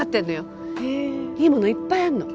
いいものいっぱいあるの。